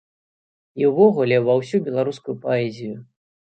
І ўвогуле ва ўсю беларускую паэзію.